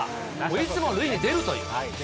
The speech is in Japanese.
いつも塁に出るという。